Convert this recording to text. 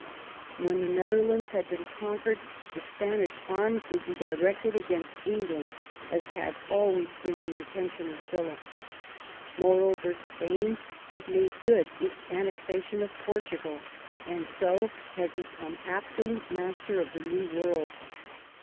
When the Netherlands had been conquered, the Spanish arms would be directed against England, as had always been the intention of Philip. Moreover, Spain had made good its annexation of Portugal, and so had become absolute master of the New World.